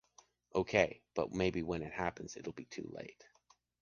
OK. But maybe when it happens, it will be too late.